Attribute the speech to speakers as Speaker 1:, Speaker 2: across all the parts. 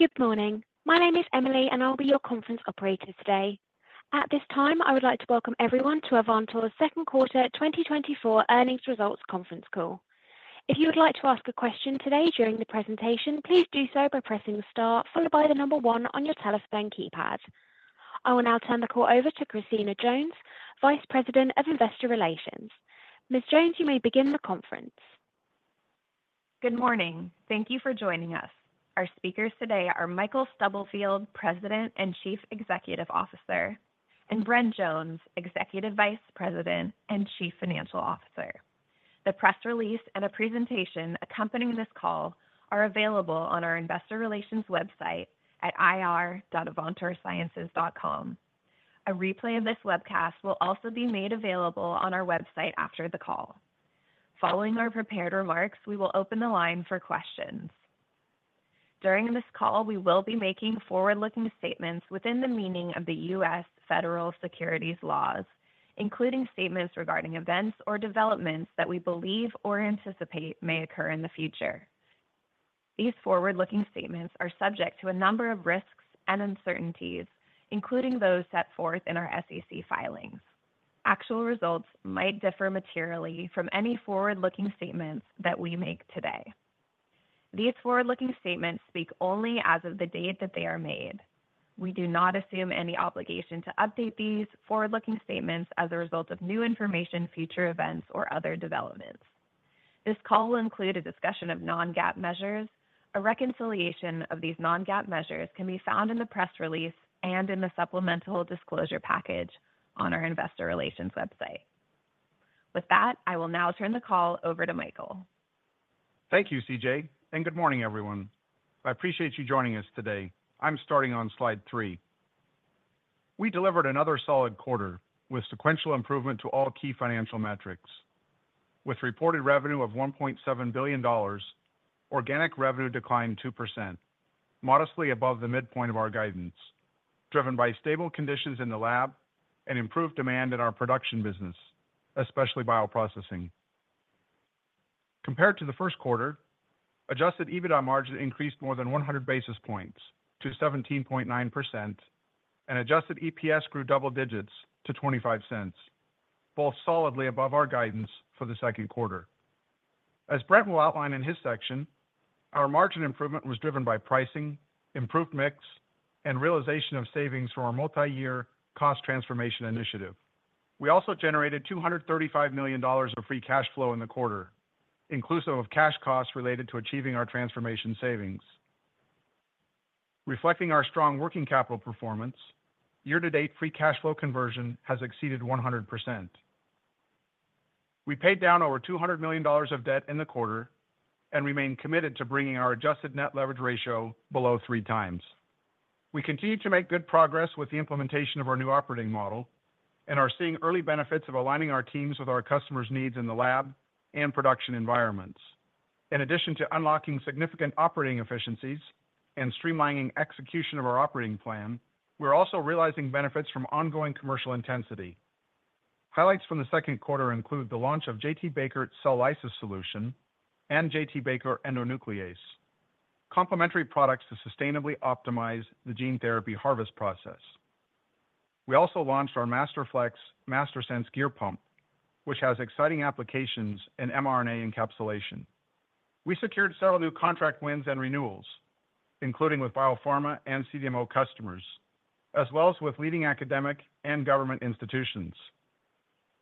Speaker 1: Good morning. My name is Emily, and I'll be your conference operator today. At this time, I would like to welcome everyone to Avantor's second quarter 2024 earnings results conference call. If you would like to ask a question today during the presentation, please do so by pressing the star followed by the number one on your telephone keypad. I will now turn the call over to Christina Jones, Vice President of Investor Relations. Ms. Jones, you may begin the conference.
Speaker 2: Good morning. Thank you for joining us. Our speakers today are Michael Stubblefield, President and Chief Executive Officer, and Brent Jones, Executive Vice President and Chief Financial Officer. The press release and a presentation accompanying this call are available on our Investor Relations website at ir.avantorsciences.com. A replay of this webcast will also be made available on our website after the call. Following our prepared remarks, we will open the line for questions. During this call, we will be making forward-looking statements within the meaning of the U.S. federal securities laws, including statements regarding events or developments that we believe or anticipate may occur in the future. These forward-looking statements are subject to a number of risks and uncertainties, including those set forth in our SEC filings. Actual results might differ materially from any forward-looking statements that we make today. These forward-looking statements speak only as of the date that they are made. We do not assume any obligation to update these forward-looking statements as a result of new information, future events, or other developments. This call will include a discussion of non-GAAP measures. A reconciliation of these non-GAAP measures can be found in the press release and in the supplemental disclosure package on our Investor Relations website. With that, I will now turn the call over to Michael.
Speaker 3: Thank you, C.J., and good morning, everyone. I appreciate you joining us today. I'm starting on slide three. We delivered another solid quarter with sequential improvement to all key financial metrics. With reported revenue of $1.7 billion, organic revenue declined 2%, modestly above the midpoint of our guidance, driven by stable conditions in the lab and improved demand in our production business, especially bioprocessing. Compared to the first quarter, adjusted EBITDA margin increased more than 100 basis points to 17.9%, and adjusted EPS grew double digits to $0.25, both solidly above our guidance for the second quarter. As Brent will outline in his section, our margin improvement was driven by pricing, improved mix, and realization of savings from our multi-year cost transformation initiative. We also generated $235 million of free cash flow in the quarter, inclusive of cash costs related to achieving our transformation savings. Reflecting our strong working capital performance, year-to-date free cash flow conversion has exceeded 100%. We paid down over $200 million of debt in the quarter and remain committed to bringing our adjusted net leverage ratio below 3x. We continue to make good progress with the implementation of our new operating model and are seeing early benefits of aligning our teams with our customers' needs in the lab and production environments. In addition to unlocking significant operating efficiencies and streamlining execution of our operating plan, we're also realizing benefits from ongoing commercial intensity. Highlights from the second quarter include the launch of J.T.Baker Cell Lysis Solution and J.T.Baker Endonuclease, complementary products to sustainably optimize the gene therapy harvest process. We also launched our Masterflex MasterSense gear pump, which has exciting applications in mRNA encapsulation. We secured several new contract wins and renewals, including with biopharma and CDMO customers, as well as with leading academic and government institutions.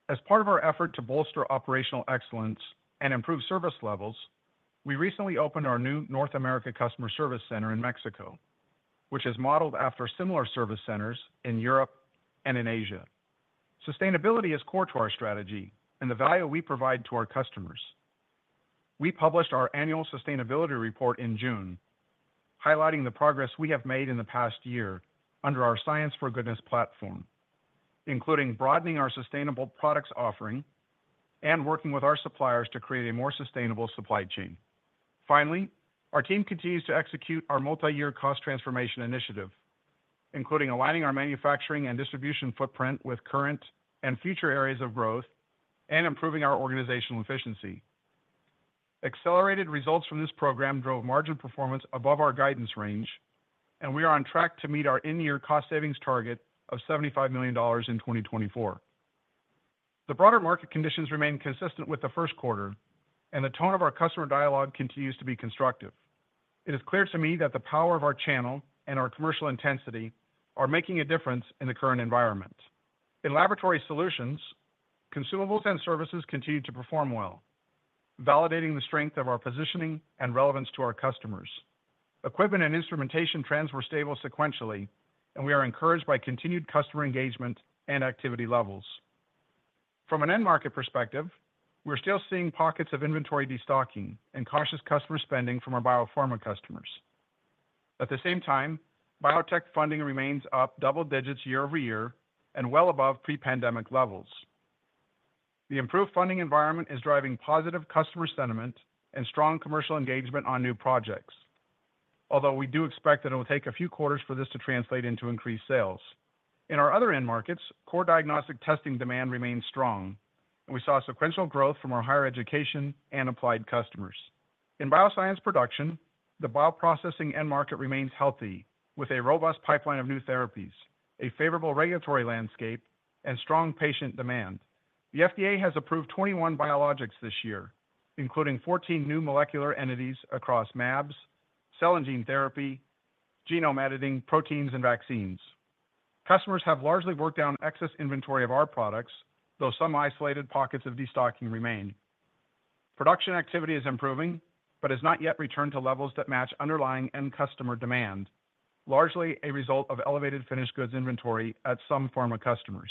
Speaker 3: As part of our effort to bolster operational excellence and improve service levels, we recently opened our new North America Customer Service Center in Mexico, which is modeled after similar service centers in Europe and in Asia. Sustainability is core to our strategy and the value we provide to our customers. We published our annual sustainability report in June, highlighting the progress we have made in the past year under our Science for Goodness platform, including broadening our sustainable products offering and working with our suppliers to create a more sustainable supply chain. Finally, our team continues to execute our multi-year cost transformation initiative, including aligning our manufacturing and distribution footprint with current and future areas of growth and improving our organizational efficiency. Accelerated results from this program drove margin performance above our guidance range, and we are on track to meet our in-year cost savings target of $75 million in 2024. The broader market conditions remain consistent with the first quarter, and the tone of our customer dialogue continues to be constructive. It is clear to me that the power of our channel and our commercial intensity are making a difference in the current environment. In Laboratory Solutions, consumables and services continue to perform well, validating the strength of our positioning and relevance to our customers. Equipment and instrumentation trends were stable sequentially, and we are encouraged by continued customer engagement and activity levels. From an end market perspective, we're still seeing pockets of inventory destocking and cautious customer spending from our biopharma customers. At the same time, biotech funding remains up double digits year-over-year and well above pre-pandemic levels. The improved funding environment is driving positive customer sentiment and strong commercial engagement on new projects, although we do expect that it will take a few quarters for this to translate into increased sales. In our other end markets, core diagnostic testing demand remains strong, and we saw sequential growth from our higher education and applied customers. In Bioscience Production, the bioprocessing end market remains healthy, with a robust pipeline of new therapies, a favorable regulatory landscape, and strong patient demand. The FDA has approved 21 biologics this year, including 14 new molecular entities across mAbs, cell and gene therapy, genome editing, proteins, and vaccines. Customers have largely worked down excess inventory of our products, though some isolated pockets of destocking remain. Production activity is improving, but has not yet returned to levels that match underlying end customer demand, largely a result of elevated finished goods inventory at some pharma customers.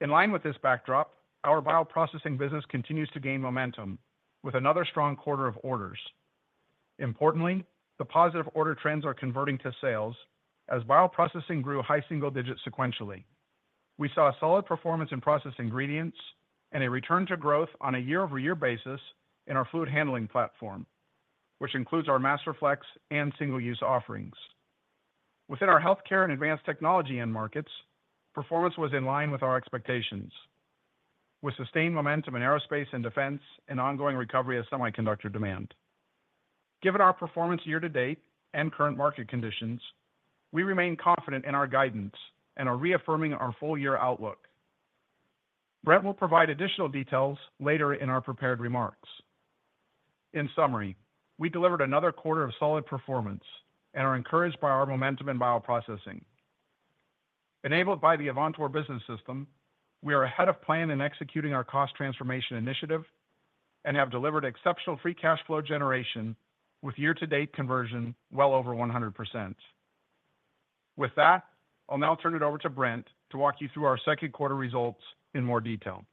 Speaker 3: In line with this backdrop, our bioprocessing business continues to gain momentum with another strong quarter of orders. Importantly, the positive order trends are converting to sales as bioprocessing grew high single digits sequentially. We saw solid performance in process ingredients and a return to growth on a year-over-year basis in our fluid handling platform, which includes our Masterflex and single-use offerings. Within our healthcare and advanced technology end markets, performance was in line with our expectations, with sustained momentum in aerospace and defense and ongoing recovery of semiconductor demand. Given our performance year-to-date and current market conditions, we remain confident in our guidance and are reaffirming our full-year outlook. Brent will provide additional details later in our prepared remarks. In summary, we delivered another quarter of solid performance and are encouraged by our momentum in bioprocessing. Enabled by the Avantor Business System, we are ahead of plan in executing our cost transformation initiative and have delivered exceptional free cash flow generation with year-to-date conversion well over 100%. With that, I'll now turn it over to Brent to walk you through our second quarter results in more detail.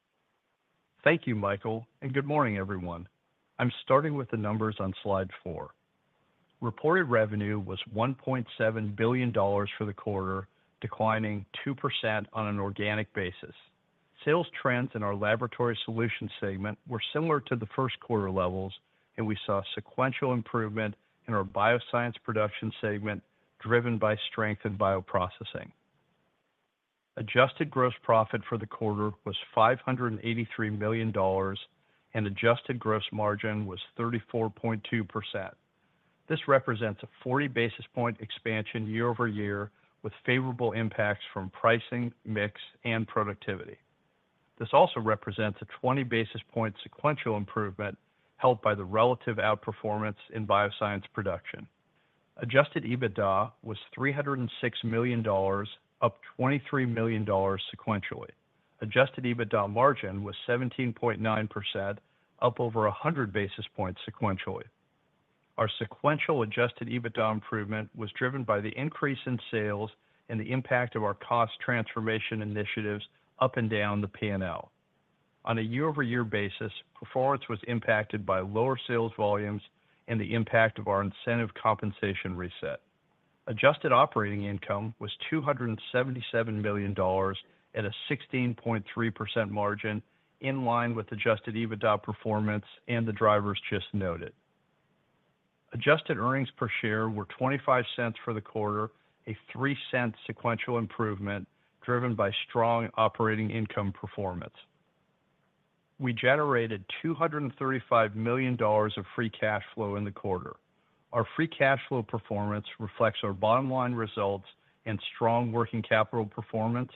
Speaker 4: Thank you, Michael, and good morning, everyone. I'm starting with the numbers on slide four. Reported revenue was $1.7 billion for the quarter, declining 2% on an organic basis. Sales trends in our Laboratory Solutions segment were similar to the first quarter levels, and we saw sequential improvement in our Bioscience Production segment driven by strength in bioprocessing. Adjusted gross profit for the quarter was $583 million, and adjusted gross margin was 34.2%. This represents a 40 basis point expansion year-over-year, with favorable impacts from pricing, mix, and productivity. This also represents a 20 basis point sequential improvement held by the relative outperformance in Bioscience Production. Adjusted EBITDA was $306 million, up $23 million sequentially. Adjusted EBITDA margin was 17.9%, up over 100 basis points sequentially. Our sequential adjusted EBITDA improvement was driven by the increase in sales and the impact of our cost transformation initiatives up and down the P&L. On a year-over-year basis, performance was impacted by lower sales volumes and the impact of our incentive compensation reset. Adjusted operating income was $277 million at a 16.3% margin, in line with adjusted EBITDA performance and the drivers just noted. Adjusted earnings per share were $0.25 for the quarter, a 3% sequential improvement driven by strong operating income performance. We generated $235 million of free cash flow in the quarter. Our free cash flow performance reflects our bottom-line results and strong working capital performance,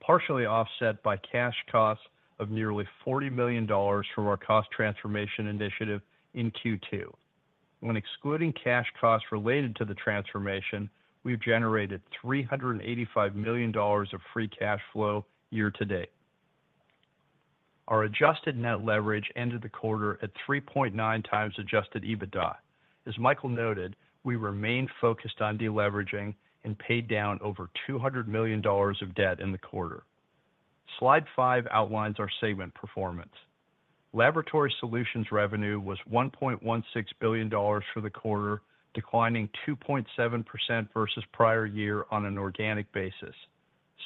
Speaker 4: partially offset by cash costs of nearly $40 million from our cost transformation initiative in Q2. When excluding cash costs related to the transformation, we've generated $385 million of free cash flow year-to-date. Our adjusted net leverage ended the quarter at 3.9x adjusted EBITDA. As Michael noted, we remained focused on deleveraging and paid down over $200 million of debt in the quarter. Slide five outlines our segment performance. Laboratory Solutions revenue was $1.16 billion for the quarter, declining 2.7% versus prior year on an organic basis.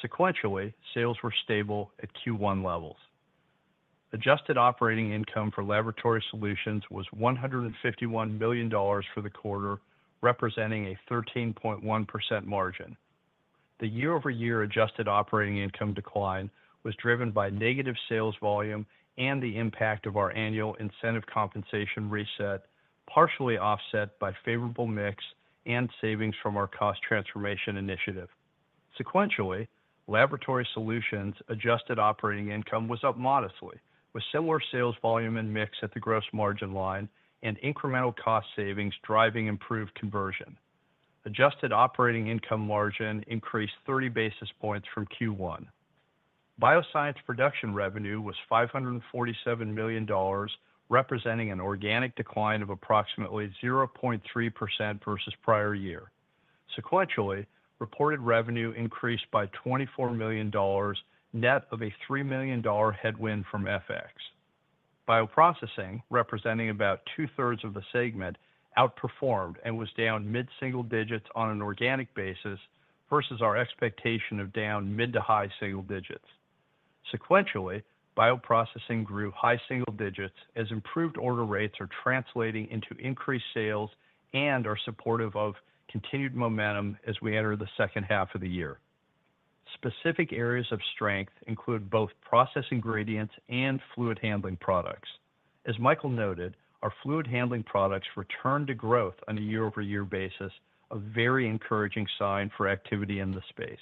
Speaker 4: Sequentially, sales were stable at Q1 levels. Adjusted operating income for Laboratory Solutions was $151 million for the quarter, representing a 13.1% margin. The year-over-year adjusted operating income decline was driven by negative sales volume and the impact of our annual incentive compensation reset, partially offset by favorable mix and savings from our cost transformation initiative. Sequentially, Laboratory Solutions adjusted operating income was up modestly, with similar sales volume and mix at the gross margin line and incremental cost savings driving improved conversion. Adjusted operating income margin increased 30 basis points from Q1. Bioscience Production revenue was $547 million, representing an organic decline of approximately 0.3% versus prior year. Sequentially, reported revenue increased by $24 million, net of a $3 million headwind from FX. bioprocessing, representing about two-thirds of the segment, outperformed and was down mid-single digits on an organic basis versus our expectation of down mid- to high-single digits. Sequentially, bioprocessing grew high-single digits as improved order rates are translating into increased sales and are supportive of continued momentum as we enter the second half of the year. Specific areas of strength include both process ingredients and fluid handling products. As Michael noted, our fluid handling products returned to growth on a year-over-year basis, a very encouraging sign for activity in the space.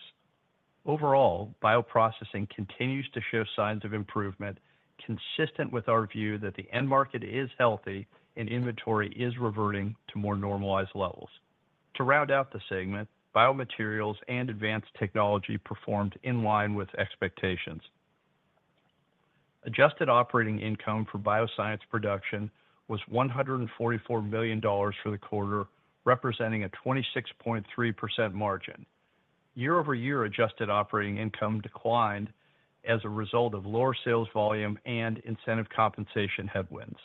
Speaker 4: Overall, bioprocessing continues to show signs of improvement, consistent with our view that the end market is healthy and inventory is reverting to more normalized levels. To round out the segment, biomaterials and advanced technology performed in line with expectations. Adjusted operating income for Bioscience Production was $144 million for the quarter, representing a 26.3% margin. Year-over-year adjusted operating income declined as a result of lower sales volume and incentive compensation headwinds.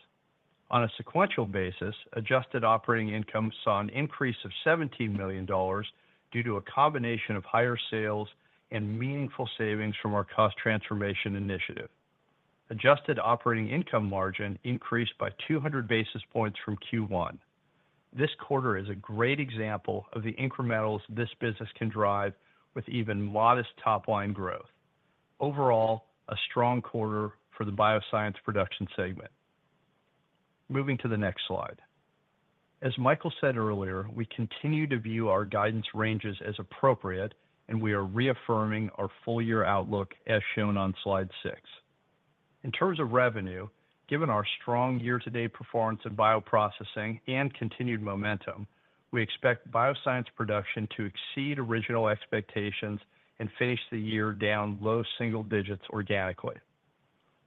Speaker 4: On a sequential basis, adjusted operating income saw an increase of $17 million due to a combination of higher sales and meaningful savings from our cost transformation initiative. Adjusted operating income margin increased by 200 basis points from Q1. This quarter is a great example of the incrementals this business can drive with even modest top-line growth. Overall, a strong quarter for the Bioscience Production segment. Moving to the next slide. As Michael said earlier, we continue to view our guidance ranges as appropriate, and we are reaffirming our full-year outlook as shown on slide six. In terms of revenue, given our strong year-to-date performance in bioprocessing and continued momentum, we expect Bioscience Production to exceed original expectations and finish the year down low single digits organically.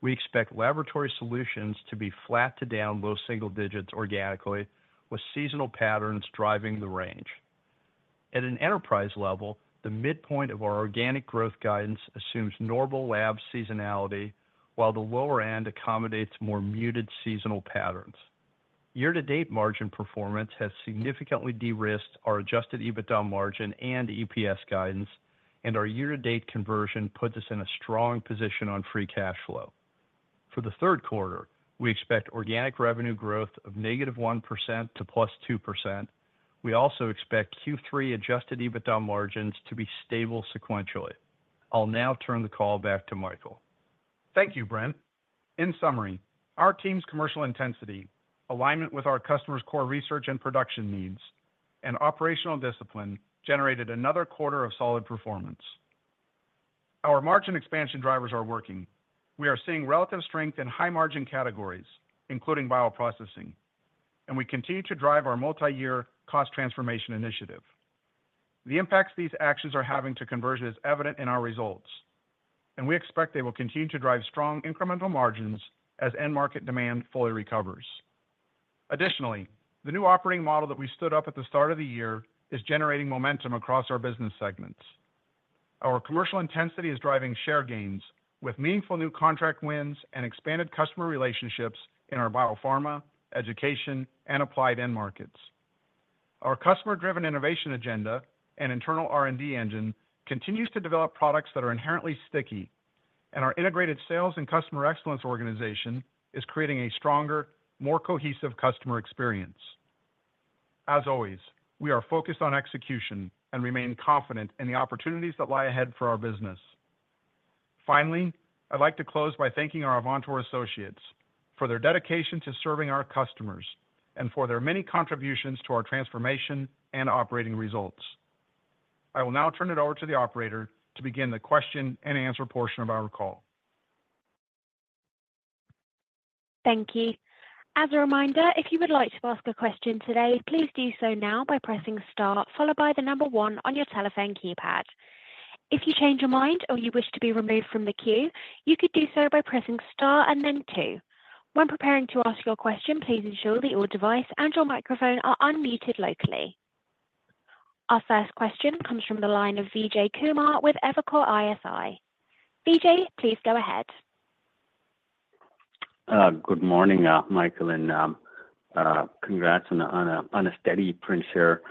Speaker 4: We expect Laboratory Solutions to be flat to down low single digits organically, with seasonal patterns driving the range. At an enterprise level, the midpoint of our organic growth guidance assumes normal lab seasonality, while the lower end accommodates more muted seasonal patterns. Year-to-date margin performance has significantly de-risked our Adjusted EBITDA margin and EPS guidance, and our year-to-date conversion puts us in a strong position on free cash flow. For the third quarter, we expect organic revenue growth of -1% to +2%. We also expect Q3 Adjusted EBITDA margins to be stable sequentially. I'll now turn the call back to Michael.
Speaker 3: Thank you, Brent. In summary, our team's commercial intensity, alignment with our customers' core research and production needs, and operational discipline generated another quarter of solid performance. Our margin expansion drivers are working. We are seeing relative strength in high-margin categories, including bioprocessing, and we continue to drive our multi-year cost transformation initiative. The impacts these actions are having to conversion is evident in our results, and we expect they will continue to drive strong incremental margins as end market demand fully recovers. Additionally, the new operating model that we stood up at the start of the year is generating momentum across our business segments. Our commercial intensity is driving share gains with meaningful new contract wins and expanded customer relationships in our biopharma, education, and applied end markets. Our customer-driven innovation agenda and internal R&D engine continues to develop products that are inherently sticky, and our integrated sales and customer excellence organization is creating a stronger, more cohesive customer experience. As always, we are focused on execution and remain confident in the opportunities that lie ahead for our business. Finally, I'd like to close by thanking our Avantor associates for their dedication to serving our customers and for their many contributions to our transformation and operating results. I will now turn it over to the operator to begin the question and answer portion of our call.
Speaker 1: Thank you. As a reminder, if you would like to ask a question today, please do so now by pressing star, followed by the number one on your telephone keypad. If you change your mind or you wish to be removed from the queue, you could do so by pressing star and then two. When preparing to ask your question, please ensure that your device and your microphone are unmuted locally. Our first question comes from the line of Vijay Kumar with Evercore ISI. Vijay, please go ahead.
Speaker 5: Good morning, Michael, and congrats on a steady print share.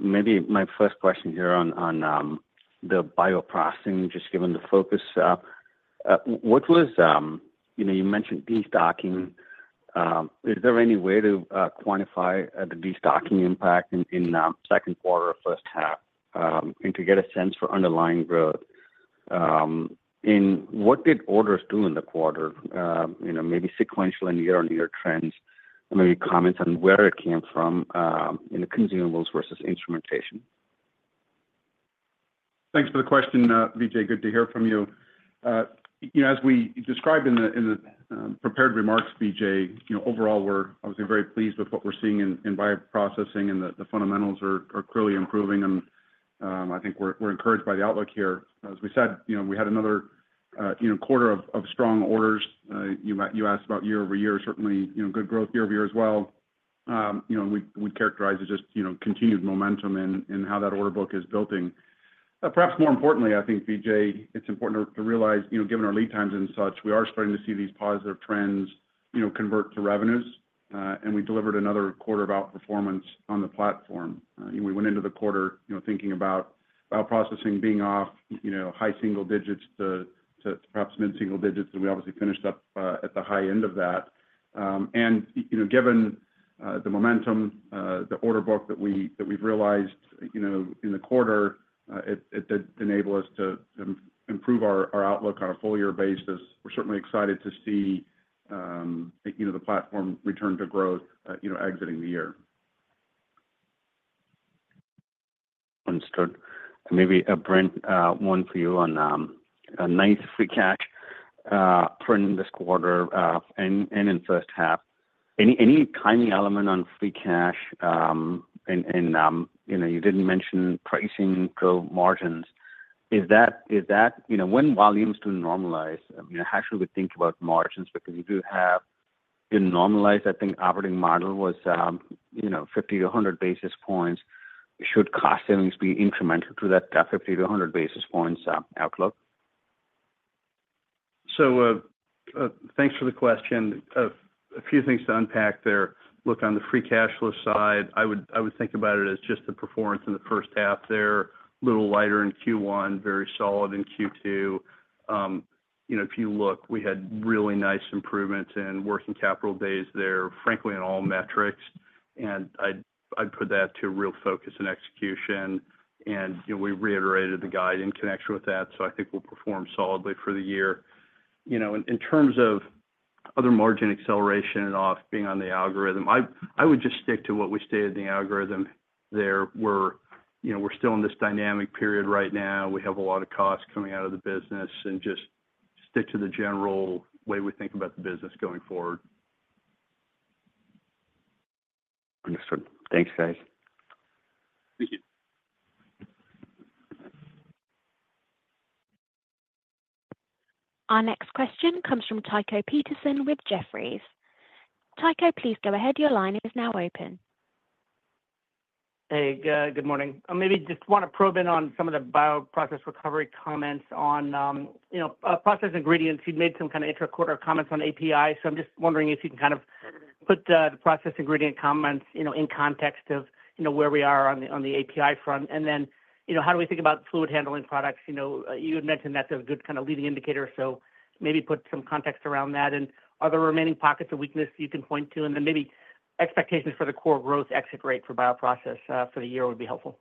Speaker 5: Maybe my first question here on the bioprocessing, just given the focus, what was you mentioned destocking. Is there any way to quantify the destocking impact in the second quarter or first half and to get a sense for underlying growth? And what did orders do in the quarter? Maybe sequential and year-over-year trends, maybe comments on where it came from in the consumables versus instrumentation.
Speaker 3: Thanks for the question, Vijay. Good to hear from you. As we described in the prepared remarks, Vijay, overall, I was very pleased with what we're seeing in bioprocessing, and the fundamentals are clearly improving. I think we're encouraged by the outlook here. As we said, we had another quarter of strong orders. You asked about year-over-year, certainly good growth year-over-year as well. We'd characterize it as just continued momentum in how that order book is building. Perhaps more importantly, I think, Vijay, it's important to realize, given our lead times and such, we are starting to see these positive trends convert to revenues, and we delivered another quarter of outperformance on the platform. We went into the quarter thinking about processing being off high single digits to perhaps mid-single digits, and we obviously finished up at the high end of that. Given the momentum, the order book that we've realized in the quarter, it did enable us to improve our outlook on a full-year basis. We're certainly excited to see the platform return to growth exiting the year.
Speaker 5: Understood. Maybe Brent, one for you on a nice free cash print this quarter and in first half. Any timing element on free cash? And you didn't mention pricing margins. When volumes do normalize, how should we think about margins? Because you do have your normalized, I think, operating model was 50-100 basis points. Should cost savings be incremental to that 50-100 basis points outlook?
Speaker 4: So thanks for the question. A few things to unpack there. Look on the free cash flow side, I would think about it as just the performance in the first half there, a little lighter in Q1, very solid in Q2. If you look, we had really nice improvements in working capital days there, frankly, in all metrics. And I'd put that to real focus and execution. And we reiterated the guide in connection with that, so I think we'll perform solidly for the year. In terms of other margin acceleration and off being on the algorithm, I would just stick to what we stated in the algorithm there. We're still in this dynamic period right now. We have a lot of costs coming out of the business, and just stick to the general way we think about the business going forward.
Speaker 5: Understood. Thanks, guys.
Speaker 3: Thank you.
Speaker 1: Our next question comes from Tycho Peterson with Jefferies. Tycho, please go ahead. Your line is now open.
Speaker 6: Hey, good morning. Maybe just want to probe in on some of the bioprocess recovery comments on process ingredients. You'd made some kind of intra-quarter comments on API, so I'm just wondering if you can kind of put the process ingredient comments in context of where we are on the API front. And then how do we think about fluid handling products? You had mentioned that they're a good kind of leading indicator, so maybe put some context around that. And are there remaining pockets of weakness you can point to? And then maybe expectations for the core growth exit rate for bioprocess for the year would be helpful.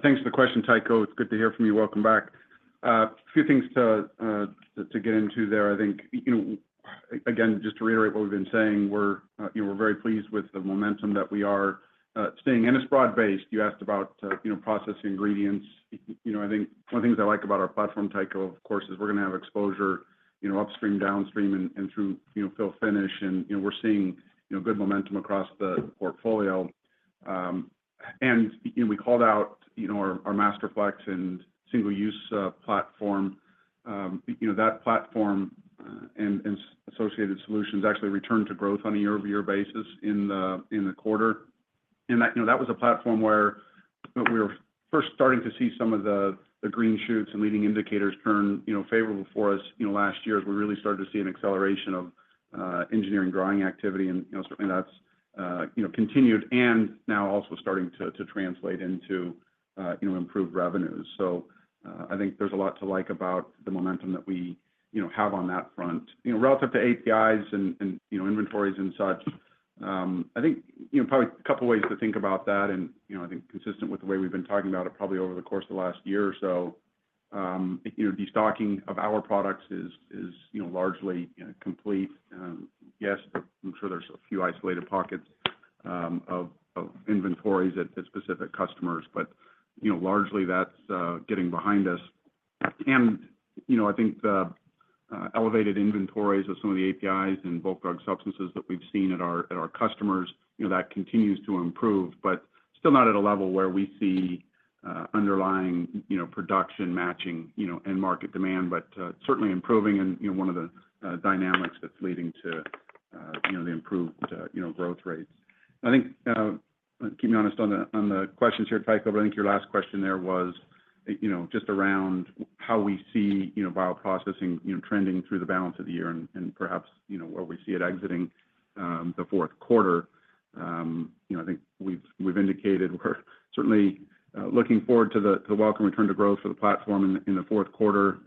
Speaker 3: Thanks for the question, Tycho. It's good to hear from you. Welcome back. A few things to get into there. I think, again, just to reiterate what we've been saying, we're very pleased with the momentum that we are seeing in a broad base. You asked about process ingredients. I think one of the things I like about our platform, Tycho, of course, is we're going to have exposure upstream, downstream, and through fill-finish. And we're seeing good momentum across the portfolio. And we called out our Masterflex and single-use platform. That platform and associated solutions actually returned to growth on a year-over-year basis in the quarter. And that was a platform where we were first starting to see some of the green shoots and leading indicators turn favorable for us last year as we really started to see an acceleration of engineering growing activity. Certainly, that's continued and now also starting to translate into improved revenues. I think there's a lot to like about the momentum that we have on that front relative to APIs and inventories and such. I think probably a couple of ways to think about that. I think consistent with the way we've been talking about it probably over the course of the last year or so, destocking of our products is largely complete. Yes, I'm sure there's a few isolated pockets of inventories at specific customers, but largely that's getting behind us. I think the elevated inventories of some of the APIs and bulk drug substances that we've seen at our customers, that continues to improve, but still not at a level where we see underlying production matching end market demand, but certainly improving in one of the dynamics that's leading to the improved growth rates. I think, keep me honest on the questions here, Tycho, but I think your last question there was just around how we see bioprocessing trending through the balance of the year and perhaps where we see it exiting the fourth quarter. I think we've indicated we're certainly looking forward to the welcome return to growth for the platform in the fourth quarter.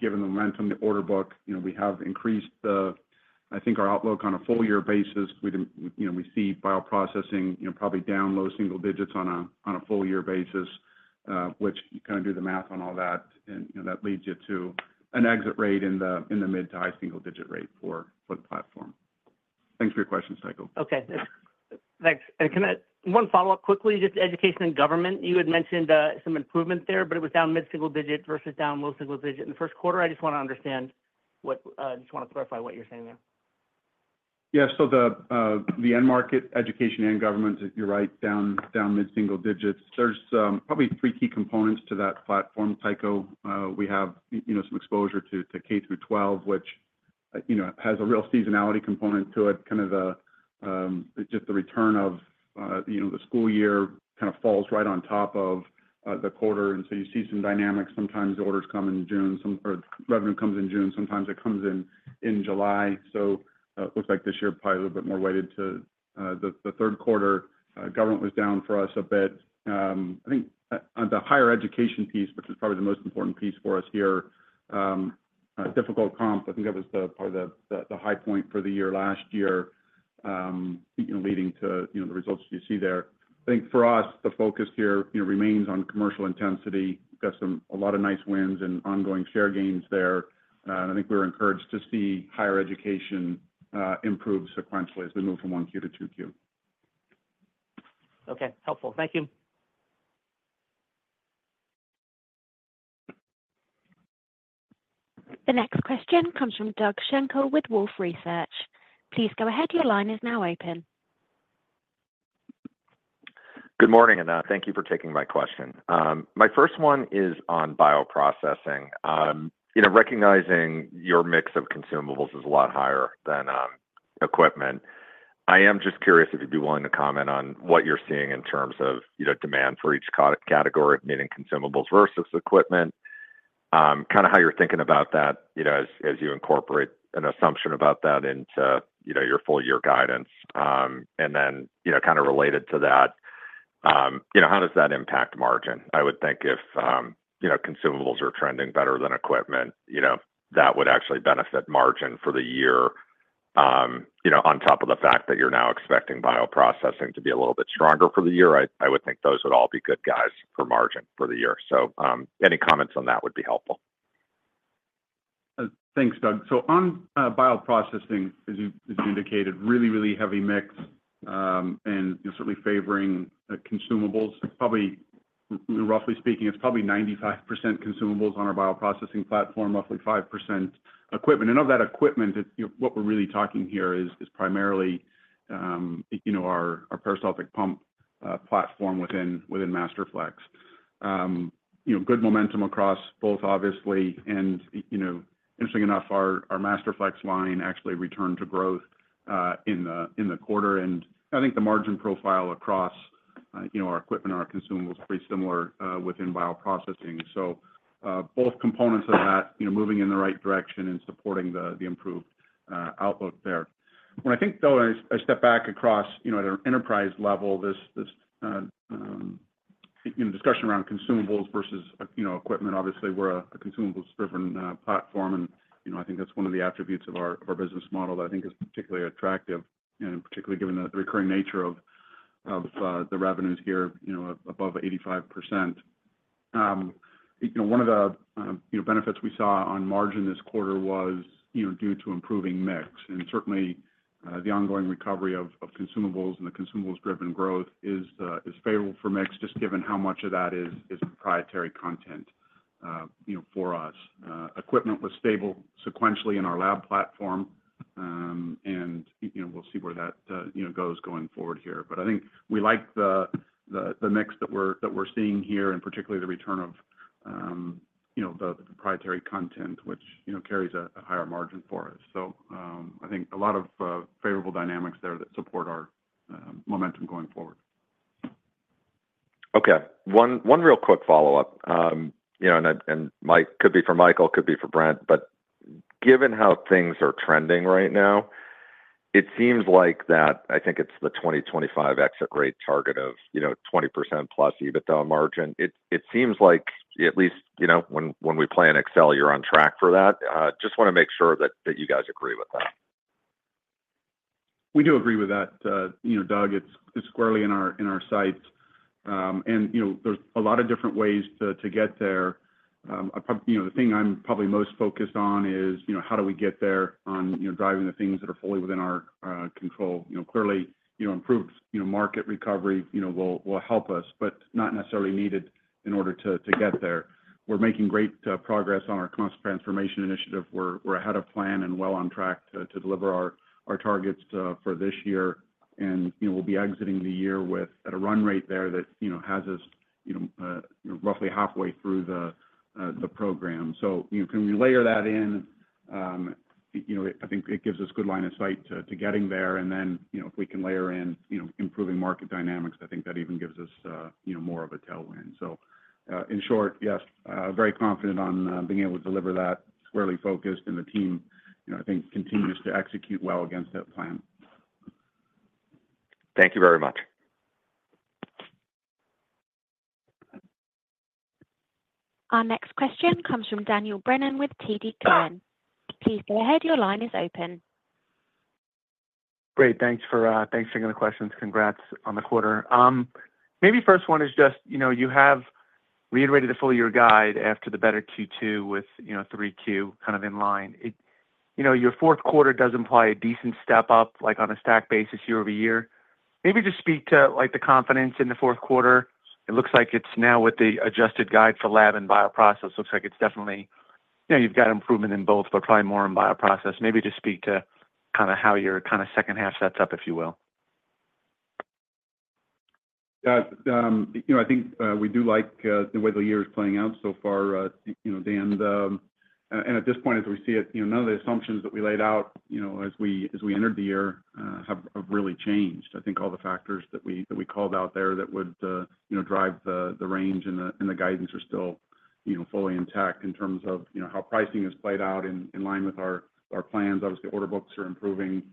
Speaker 3: Given the momentum, the order book, we have increased the, I think, our outlook on a full-year basis. We see bioprocessing probably down low single digits on a full-year basis, which you kind of do the math on all that, and that leads you to an exit rate in the mid to high single digit rate for the platform. Thanks for your questions, Tycho.
Speaker 6: Okay. Thanks. One follow-up quickly, just education and government. You had mentioned some improvement there, but it was down mid-single digit versus down low single digit in the first quarter. I just want to clarify what you're saying there.
Speaker 3: Yeah. So the end market education and government, you're right, down mid-single digits. There's probably three key components to that platform, Tycho. We have some exposure to K through 12, which has a real seasonality component to it. Kind of just the return of the school year kind of falls right on top of the quarter. And so you see some dynamics. Sometimes orders come in June, or revenue comes in June. Sometimes it comes in July. So it looks like this year probably a little bit more weighted to the third quarter. Government was down for us a bit. I think on the higher education piece, which is probably the most important piece for us here, difficult comp, I think that was probably the high point for the year last year leading to the results you see there. I think for us, the focus here remains on commercial intensity. We've got a lot of nice wins and ongoing share gains there. I think we're encouraged to see higher education improve sequentially as we move from 1Q to 2Q.
Speaker 6: Okay. Helpful. Thank you.
Speaker 1: The next question comes from Doug Schenkel with Wolfe Research. Please go ahead. Your line is now open.
Speaker 7: Good morning, and thank you for taking my question. My first one is on bioprocessing. Recognizing your mix of consumables is a lot higher than equipment. I am just curious if you'd be willing to comment on what you're seeing in terms of demand for each category, meaning consumables versus equipment, kind of how you're thinking about that as you incorporate an assumption about that into your full-year guidance. And then kind of related to that, how does that impact margin? I would think if consumables are trending better than equipment, that would actually benefit margin for the year. On top of the fact that you're now expecting bioprocessing to be a little bit stronger for the year, I would think those would all be good guys for margin for the year. So any comments on that would be helpful.
Speaker 3: Thanks, Doug. So on bioprocessing, as you indicated, really, really heavy mix and certainly favoring consumables. Probably roughly speaking, it's probably 95% consumables on our bioprocessing platform, roughly 5% equipment. And of that equipment, what we're really talking here is primarily our peristaltic pump platform within Masterflex. Good momentum across both, obviously. And interesting enough, our Masterflex line actually returned to growth in the quarter. And I think the margin profile across our equipment and our consumables is pretty similar within bioprocessing. So both components of that moving in the right direction and supporting the improved outlook there. When I think, though, I step back across at an enterprise level, this discussion around consumables versus equipment, obviously, we're a consumables-driven platform. I think that's one of the attributes of our business model that I think is particularly attractive, and particularly given the recurring nature of the revenues here above 85%. One of the benefits we saw on margin this quarter was due to improving mix. Certainly, the ongoing recovery of consumables and the consumables-driven growth is favorable for mix, just given how much of that is proprietary content for us. Equipment was stable sequentially in our lab platform, and we'll see where that goes going forward here. I think we like the mix that we're seeing here and particularly the return of the proprietary content, which carries a higher margin for us. I think a lot of favorable dynamics there that support our momentum going forward.
Speaker 7: Okay. One real quick follow-up, and it could be for Michael, could be for Brent, but given how things are trending right now, it seems like that I think it's the 2025 exit rate target of 20%+ EBITDA margin. It seems like, at least when we play in Excel, you're on track for that. Just want to make sure that you guys agree with that.
Speaker 3: We do agree with that, Doug. It's squarely in our sights. There's a lot of different ways to get there. The thing I'm probably most focused on is how do we get there on driving the things that are fully within our control. Clearly, improved market recovery will help us, but not necessarily needed in order to get there. We're making great progress on our cost transformation initiative. We're ahead of plan and well on track to deliver our targets for this year. We'll be exiting the year at a run rate there that has us roughly halfway through the program. So can we layer that in? I think it gives us a good line of sight to getting there. Then if we can layer in improving market dynamics, I think that even gives us more of a tailwind. In short, yes, very confident on being able to deliver that, squarely focused, and the team, I think, continues to execute well against that plan.
Speaker 7: Thank you very much.
Speaker 1: Our next question comes from Daniel Brennan with TD Cowen. Please go ahead. Your line is open.
Speaker 8: Great. Thanks for taking the questions. Congrats on the quarter. Maybe first one is just you have reiterated the full-year guide after the better Q2 with 3Q kind of in line. Your fourth quarter does imply a decent step up on a stacked basis year over year. Maybe just speak to the confidence in the fourth quarter. It looks like it's now with the adjusted guide for lab and bioprocess. Looks like it's definitely you've got improvement in both, but probably more in bioprocess. Maybe just speak to kind of how your kind of second half sets up, if you will.
Speaker 3: Yeah. I think we do like the way the year is playing out so far, Dan. At this point, as we see it, none of the assumptions that we laid out as we entered the year have really changed. I think all the factors that we called out there that would drive the range and the guidance are still fully intact in terms of how pricing has played out in line with our plans. Obviously, order books are improving.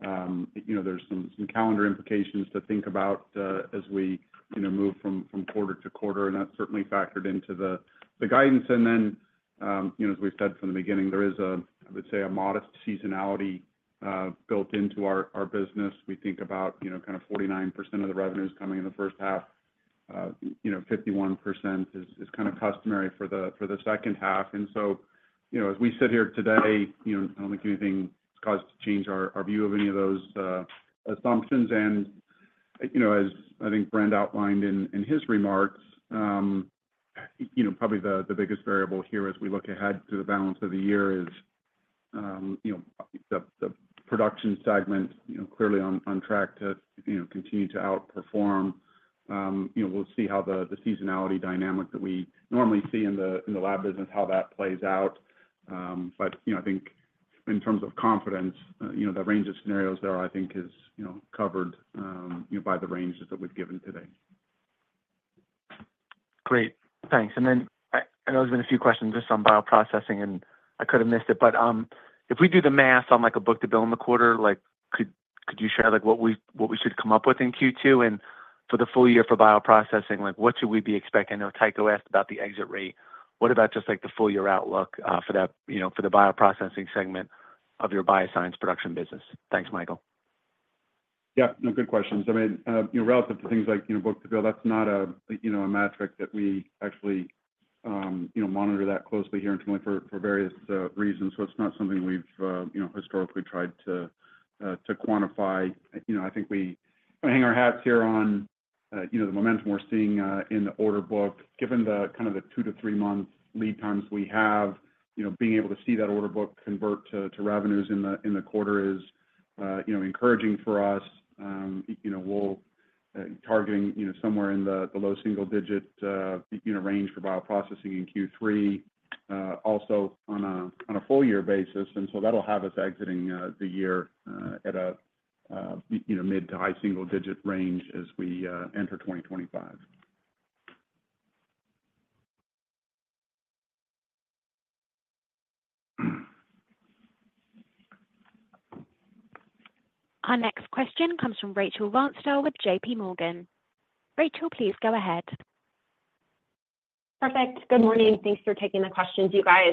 Speaker 3: There's some calendar implications to think about as we move from quarter-to-quarter, and that's certainly factored into the guidance. Then, as we've said from the beginning, there is, I would say, a modest seasonality built into our business. We think about kind of 49% of the revenues coming in the first half. 51% is kind of customary for the second half. So as we sit here today, I don't think anything has caused to change our view of any of those assumptions. As I think Brent outlined in his remarks, probably the biggest variable here as we look ahead to the balance of the year is the production segment clearly on track to continue to outperform. We'll see how the seasonality dynamic that we normally see in the lab business, how that plays out. But I think in terms of confidence, the range of scenarios there, I think, is covered by the ranges that we've given today.
Speaker 8: Great. Thanks. And then I know there's been a few questions just on bioprocessing, and I could have missed it, but if we do the math on a book-to-bill in the quarter, could you share what we should come up with in Q2? And for the full year for bioprocessing, what should we be expecting? I know Tycho asked about the exit rate. What about just the full-year outlook for the bioprocessing segment of your bioscience production business? Thanks, Michael.
Speaker 3: Yeah. Good questions. I mean, relative to things like book-to-bill, that's not a metric that we actually monitor that closely here internally for various reasons. So it's not something we've historically tried to quantify. I think we hang our hats here on the momentum we're seeing in the order book. Given the kind of the 2 to 3-month lead times we have, being able to see that order book convert to revenues in the quarter is encouraging for us. We'll be targeting somewhere in the low single digit range for bioprocessing in Q3, also on a full-year basis. And so that'll have us exiting the year at a mid to high single digit range as we enter 2025.
Speaker 1: Our next question comes from Rachel Vatnsdal with JPMorgan. Rachel, please go ahead.
Speaker 9: Perfect. Good morning. Thanks for taking the questions, you guys.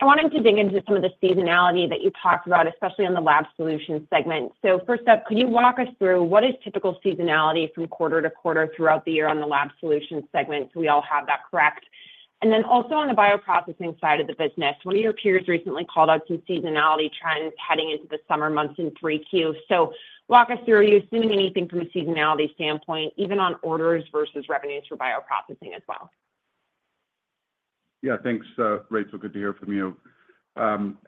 Speaker 9: I wanted to dig into some of the seasonality that you talked about, especially on the Lab Solutions segment. So first up, could you walk us through what is typical seasonality from quarter-to-quarter throughout the year on the Lab Solutions segment so we all have that correct? And then also on the bioprocessing side of the business, one of your peers recently called out some seasonality trends heading into the summer months in 3Q. So walk us through, are you assuming anything from a seasonality standpoint, even on orders versus revenues for bioprocessing as well?
Speaker 3: Yeah. Thanks, Rachel. Good to hear from you. Look,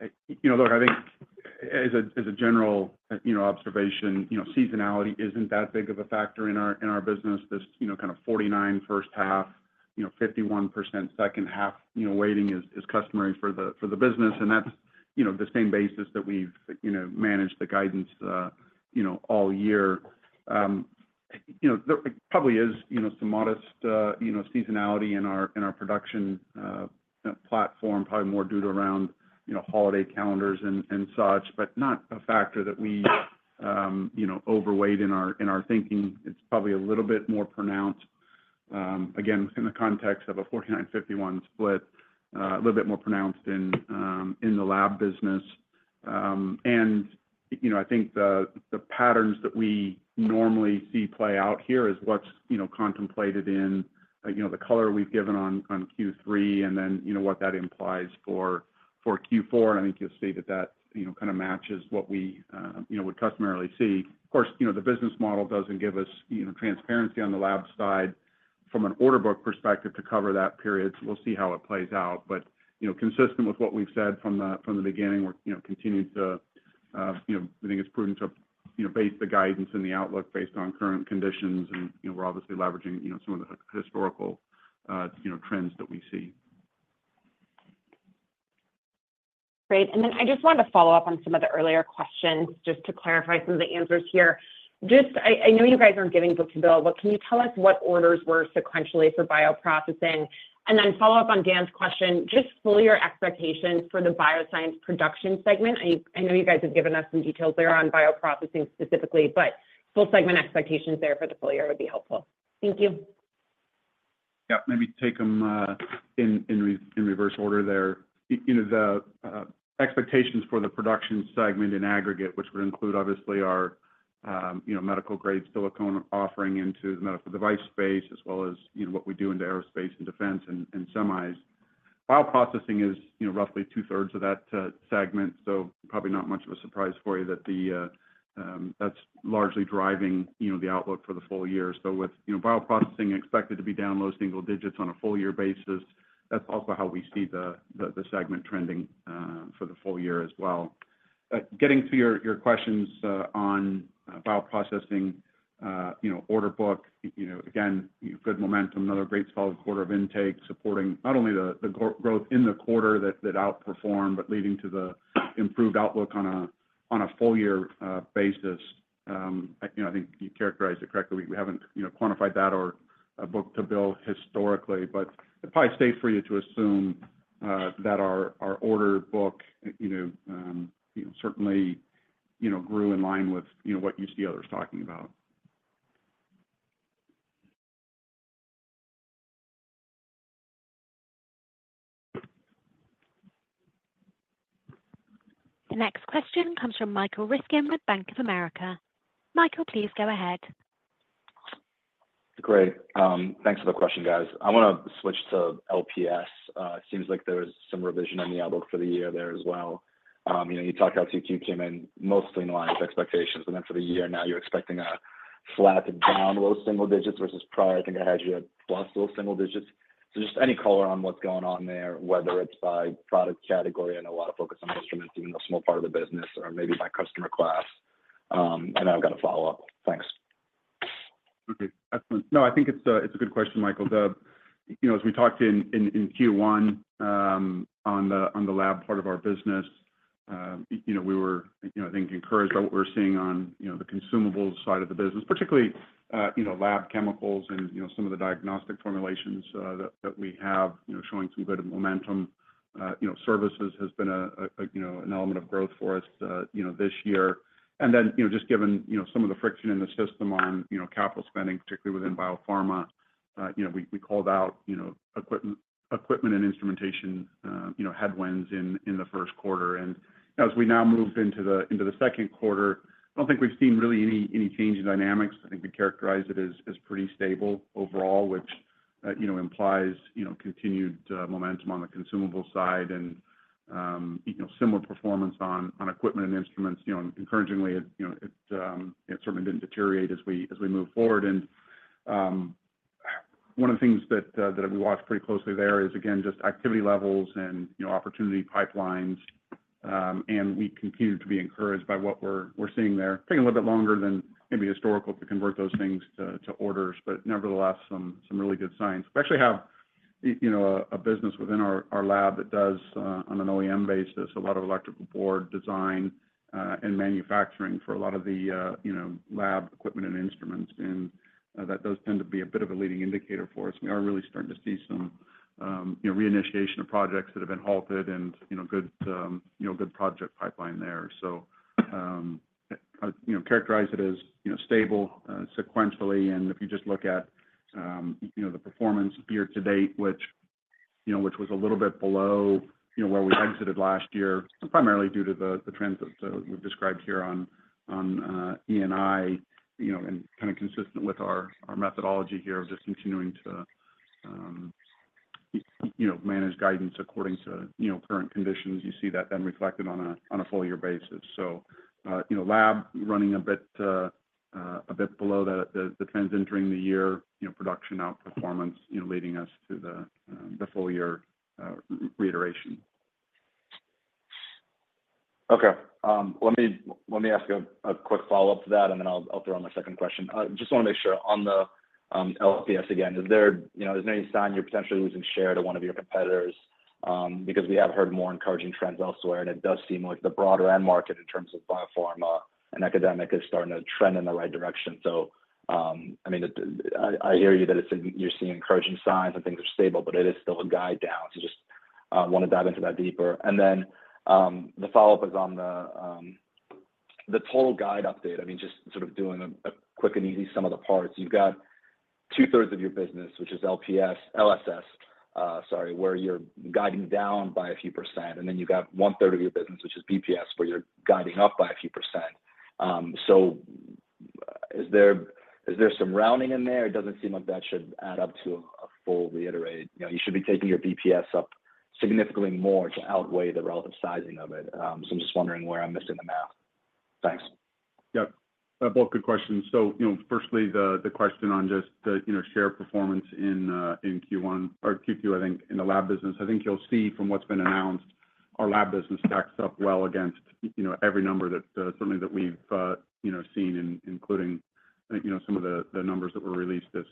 Speaker 3: I think as a general observation, seasonality isn't that big of a factor in our business. This kind of 49% first half, 51% second half weighting is customary for the business. That's the same basis that we've managed the guidance all year. There probably is some modest seasonality in our production platform, probably more due to around holiday calendars and such, but not a factor that we overweight in our thinking. It's probably a little bit more pronounced, again, within the context of a 49%-51% split, a little bit more pronounced in the lab business. I think the patterns that we normally see play out here is what's contemplated in the color we've given on Q3 and then what that implies for Q4. I think you'll see that that kind of matches what we would customarily see. Of course, the business model doesn't give us transparency on the lab side from an order book perspective to cover that period. So we'll see how it plays out. But consistent with what we've said from the beginning, we're continuing to, I think it's prudent to base the guidance and the outlook based on current conditions. We're obviously leveraging some of the historical trends that we see.
Speaker 9: Great. And then I just wanted to follow up on some of the earlier questions just to clarify some of the answers here. Just I know you guys aren't giving book-to-bill, but can you tell us what orders were sequentially for bioprocessing? And then follow up on Dan's question, just full-year expectations for the Bioscience Production segment. I know you guys have given us some details there on bioprocessing specifically, but full segment expectations there for the full year would be helpful. Thank you.
Speaker 3: Yeah. Maybe take them in reverse order there. The expectations for the production segment in aggregate, which would include obviously our medical-grade silicone offering into the medical device space, as well as what we do into aerospace and defense and semis. bioprocessing is roughly two-thirds of that segment. So probably not much of a surprise for you that that's largely driving the outlook for the full year. So with bioprocessing expected to be down low single digits on a full-year basis, that's also how we see the segment trending for the full year as well. Getting to your questions on bioprocessing order book, again, good momentum, another great solid quarter of intake supporting not only the growth in the quarter that outperformed, but leading to the improved outlook on a full-year basis. I think you characterized it correctly. We haven't quantified that or book-to-bill historically, but it's probably safe for you to assume that our order book certainly grew in line with what you see others talking about.
Speaker 1: The next question comes from Michael Ryskin with Bank of America. Michael, please go ahead.
Speaker 10: Great. Thanks for the question, guys. I want to switch to LPS. It seems like there was some revision on the outlook for the year there as well. You talked about Q2 came in mostly in line with expectations, but then for the year now you're expecting a flat down low single digits versus prior. I think I had you at plus low single digits. So just any color on what's going on there, whether it's by product category and a lot of focus on instruments, even though small part of the business, or maybe by customer class. And I've got a follow-up. Thanks.
Speaker 3: Okay. Excellent. No, I think it's a good question, Michael. As we talked in Q1 on the lab part of our business, we were, I think, encouraged by what we're seeing on the consumables side of the business, particularly lab chemicals and some of the diagnostic formulations that we have showing some good momentum. Services has been an element of growth for us this year. And then just given some of the friction in the system on capital spending, particularly within biopharma, we called out equipment and instrumentation headwinds in the first quarter. And as we now move into the second quarter, I don't think we've seen really any change in dynamics. I think we characterize it as pretty stable overall, which implies continued momentum on the consumable side and similar performance on equipment and instruments. Encouragingly, it certainly didn't deteriorate as we move forward. One of the things that we watch pretty closely there is, again, just activity levels and opportunity pipelines. We continue to be encouraged by what we're seeing there. It's taking a little bit longer than maybe historically to convert those things to orders, but nevertheless, some really good signs. We actually have a business within our lab that does, on an OEM basis, a lot of electrical board design and manufacturing for a lot of the lab equipment and instruments. That does tend to be a bit of a leading indicator for us. We are really starting to see some reinitiation of projects that have been halted and good project pipeline there. I'd characterize it as stable sequentially. If you just look at the performance year to date, which was a little bit below where we exited last year, primarily due to the trends that we've described here on E&I and kind of consistent with our methodology here of just continuing to manage guidance according to current conditions. You see that then reflected on a full-year basis. Lab running a bit below the trends entering the year, production outperformance leading us to the full-year reiteration.
Speaker 10: Okay. Let me ask a quick follow-up to that, and then I'll throw in my second question. Just want to make sure on the LPS again, is there any sign you're potentially losing share to one of your competitors? Because we have heard more encouraging trends elsewhere, and it does seem like the broader end market in terms of biopharma and academic is starting to trend in the right direction. So I mean, I hear you that you're seeing encouraging signs and things are stable, but it is still a guide down. So just want to dive into that deeper. And then the follow-up is on the total guide update. I mean, just sort of doing a quick and easy sum of the parts. You've got two-thirds of your business, which is LPS, LSS, sorry, where you're guiding down by a few percent. Then you've got one-third of your business, which is BPS, where you're guiding up by a few percent. So is there some rounding in there? It doesn't seem like that should add up to a full reiterate. You should be taking your BPS up significantly more to outweigh the relative sizing of it. So I'm just wondering where I'm missing the math. Thanks.
Speaker 3: Yeah. Both good questions. So firstly, the question on just the share performance in Q1 or Q2, I think, in the lab business. I think you'll see from what's been announced, our lab business stacks up well against every number that certainly that we've seen, including some of the numbers that were released this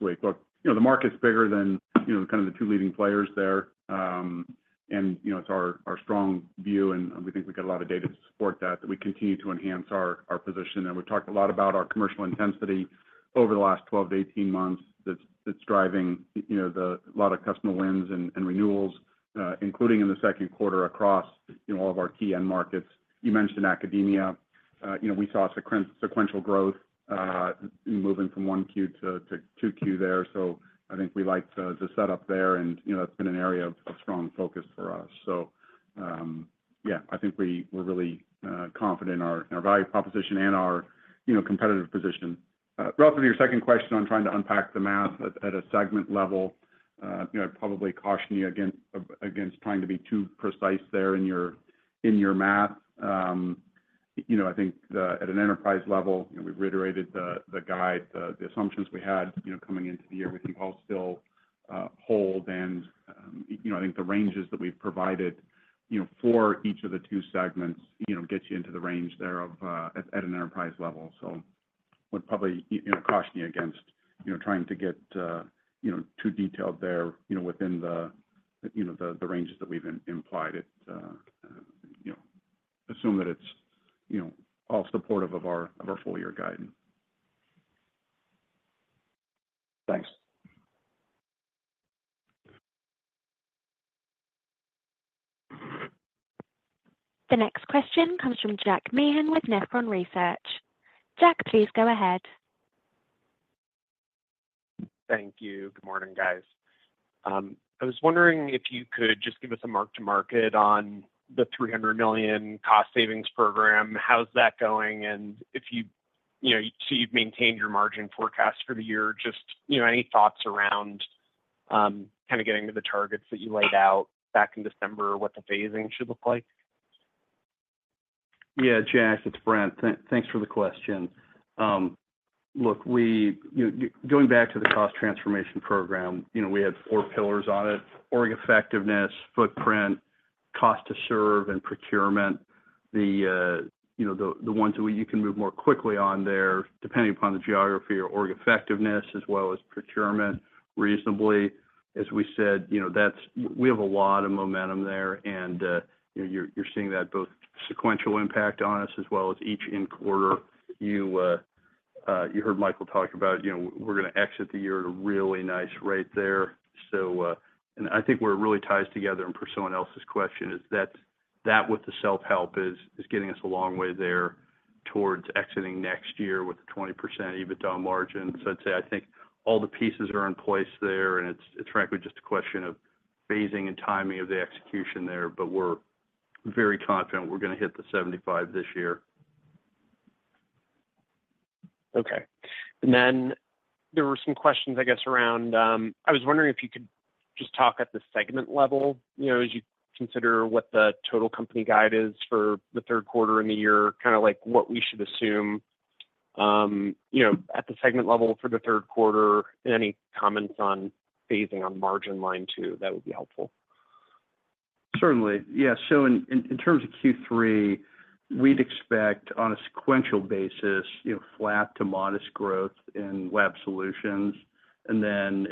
Speaker 3: week. But the market's bigger than kind of the two leading players there. And it's our strong view, and we think we've got a lot of data to support that, that we continue to enhance our position. And we've talked a lot about our commercial intensity over the last 12-18 months that's driving a lot of customer wins and renewals, including in the second quarter across all of our key end markets. You mentioned academia. We saw sequential growth moving from 1Q to 2Q there. I think we liked the setup there, and that's been an area of strong focus for us. Yeah, I think we're really confident in our value proposition and our competitive position. Relative to your second question on trying to unpack the math at a segment level, I'd probably caution you against trying to be too precise there in your math. I think at an enterprise level, we've reiterated the guide, the assumptions we had coming into the year. We think I'll still hold. I think the ranges that we've provided for each of the two segments get you into the range there at an enterprise level. I would probably caution you against trying to get too detailed there within the ranges that we've implied. Assume that it's all supportive of our full-year guidance.
Speaker 10: Thanks.
Speaker 1: The next question comes from Jack Meehan with Nephron Research. Jack, please go ahead.
Speaker 11: Thank you. Good morning, guys. I was wondering if you could just give us a mark-to-market on the $300 million cost savings program. How's that going? And if you see you've maintained your margin forecast for the year, just any thoughts around kind of getting to the targets that you laid out back in December, what the phasing should look like?
Speaker 4: Yeah. Jack, it's Brent. Thanks for the question. Look, going back to the cost transformation program, we had four pillars on it: org effectiveness, footprint, cost to serve, and procurement. The ones that you can move more quickly on there, depending upon the geography, are org effectiveness as well as procurement reasonably. As we said, we have a lot of momentum there, and you're seeing that both sequential impact on us as well as each quarter. You heard Michael talk about we're going to exit the year at a really nice rate there. And I think where it really ties together and for someone else's question is that with the self-help is getting us a long way there towards exiting next year with a 20% EBITDA margin. I'd say I think all the pieces are in place there, and it's frankly just a question of phasing and timing of the execution there, but we're very confident we're going to hit the 75 this year.
Speaker 11: Okay. And then there were some questions, I guess, around. I was wondering if you could just talk at the segment level as you consider what the total company guide is for the third quarter in the year, kind of like what we should assume at the segment level for the third quarter, and any comments on phasing on margin line two. That would be helpful.
Speaker 4: Certainly. Yeah. So in terms of Q3, we'd expect on a sequential basis, flat to modest growth in Lab Solutions. And then,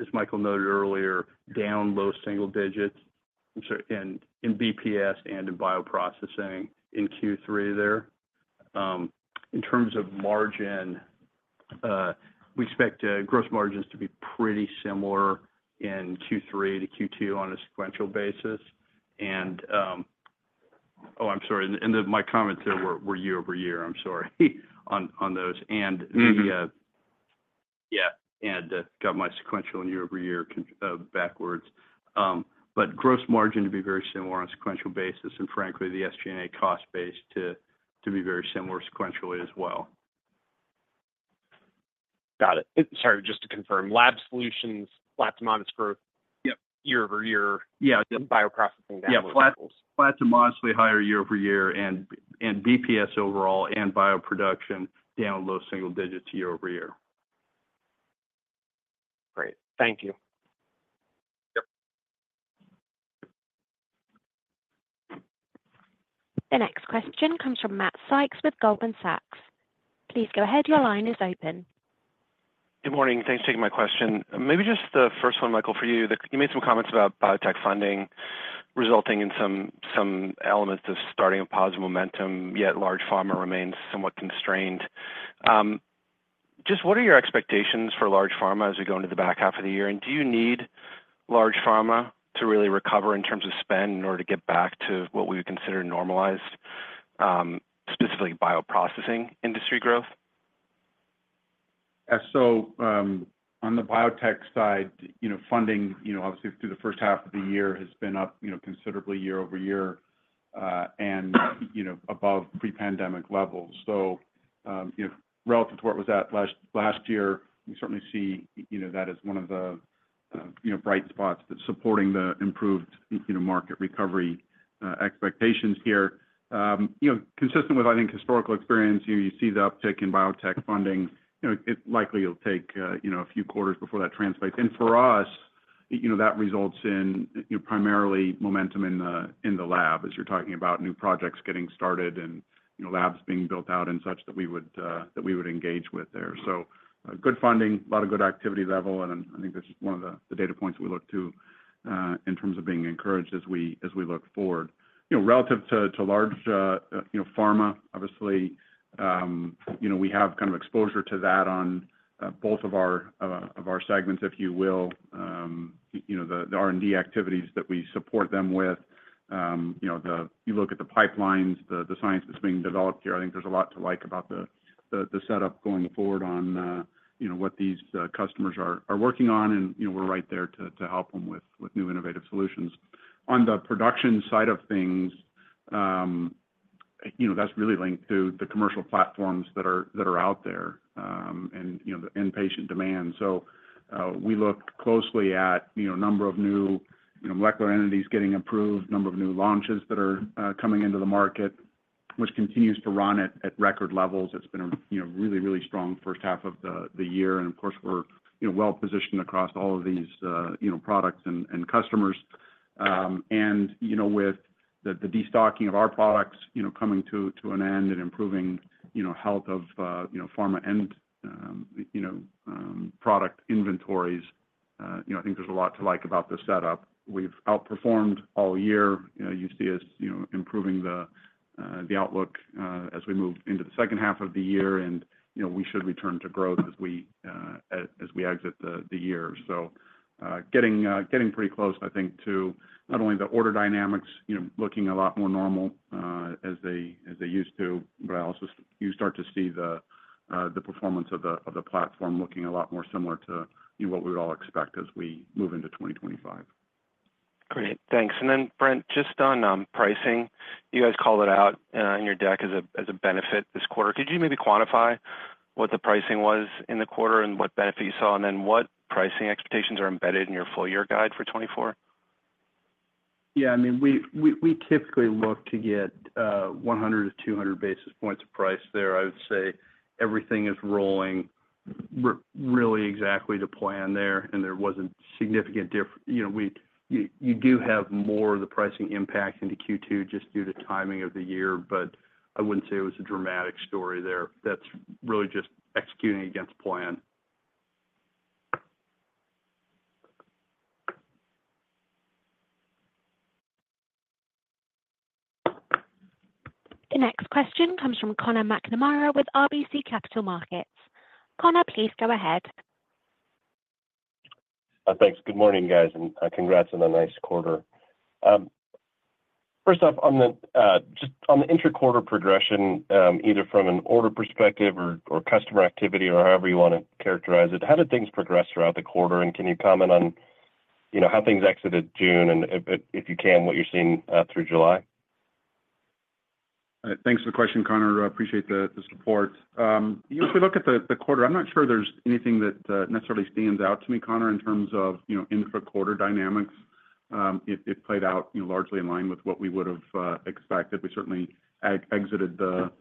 Speaker 4: as Michael noted earlier, down low single digits in BPS and in bioprocessing in Q3 there. In terms of margin, we expect gross margins to be pretty similar in Q3 to Q2 on a sequential basis. And oh, I'm sorry. And my comments there were year-over-year. I'm sorry on those. And yeah, got my sequential and year-over-year backwards. But gross margin to be very similar on a sequential basis. And frankly, the SG&A cost base to be very similar sequentially as well.
Speaker 11: Got it. Sorry, just to confirm, Lab Solutions, flat to modest growth, year-over-year, bioprocessing down low singles.
Speaker 4: Yeah. Flat to modestly higher year-over-year, and BPS overall and bioproduction down low single digits year-over-year.
Speaker 3: Great. Thank you.
Speaker 1: The next question comes from Matt Sykes with Goldman Sachs. Please go ahead. Your line is open.
Speaker 12: Good morning. Thanks for taking my question. Maybe just the first one, Michael, for you. You made some comments about biotech funding resulting in some elements of starting a positive momentum, yet large pharma remains somewhat constrained. Just what are your expectations for large pharma as we go into the back half of the year? And do you need large pharma to really recover in terms of spend in order to get back to what we would consider normalized, specifically bioprocessing industry growth?
Speaker 3: Yeah. So on the biotech side, funding obviously through the first half of the year has been up considerably year-over-year and above pre-pandemic levels. So relative to what was at last year, we certainly see that as one of the bright spots that's supporting the improved market recovery expectations here. Consistent with, I think, historical experience, you see the uptick in biotech funding. It likely will take a few quarters before that translates. And for us, that results in primarily momentum in the lab as you're talking about new projects getting started and labs being built out and such that we would engage with there. So good funding, a lot of good activity level. And I think that's one of the data points we look to in terms of being encouraged as we look forward. Relative to large pharma, obviously, we have kind of exposure to that on both of our segments, if you will, the R&D activities that we support them with. You look at the pipelines, the science that's being developed here. I think there's a lot to like about the setup going forward on what these customers are working on. And we're right there to help them with new innovative solutions. On the production side of things, that's really linked to the commercial platforms that are out there and the end-patient demand. So we look closely at a number of new molecular entities getting approved, a number of new launches that are coming into the market, which continues to run at record levels. It's been a really, really strong first half of the year. And of course, we're well-positioned across all of these products and customers. With the destocking of our products coming to an end and improving health of pharma end product inventories, I think there's a lot to like about the setup. We've outperformed all year. You see us improving the outlook as we move into the second half of the year, and we should return to growth as we exit the year. So getting pretty close, I think, to not only the order dynamics, looking a lot more normal as they used to, but also you start to see the performance of the platform looking a lot more similar to what we would all expect as we move into 2025.
Speaker 12: Great. Thanks. And then, Brent, just on pricing, you guys called it out in your deck as a benefit this quarter. Could you maybe quantify what the pricing was in the quarter and what benefit you saw, and then what pricing expectations are embedded in your full-year guide for 2024?
Speaker 4: Yeah. I mean, we typically look to get 100-200 basis points of price there. I would say everything is rolling really exactly to plan there, and there wasn't significant you do have more of the pricing impact into Q2 just due to timing of the year, but I wouldn't say it was a dramatic story there. That's really just executing against plan.
Speaker 1: The next question comes from Conor McNamara with RBC Capital Markets. Connor, please go ahead.
Speaker 13: Thanks. Good morning, guys, and congrats on a nice quarter. First off, just on the interquarter progression, either from an order perspective or customer activity or however you want to characterize it, how did things progress throughout the quarter? And can you comment on how things exited June, and if you can, what you're seeing through July?
Speaker 3: Thanks for the question, Conor. Appreciate the support. If we look at the quarter, I'm not sure there's anything that necessarily stands out to me, Conor, in terms of intra-quarter dynamics. It played out largely in line with what we would have expected. We certainly exited the